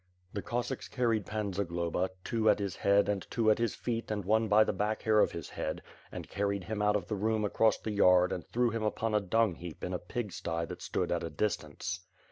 The Cossacks carried Pan Zagloba, two at his head and two at his feet and cne by the back hair of his head and carried him out of the room across the yard and threw him upon a dung heap in a pig sty that stood at a distance.